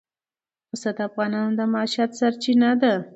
پسه د افغانانو د معیشت سرچینه ده.